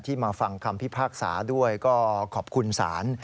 มาฟังคำพิพากษาด้วยก็ขอบคุณศาล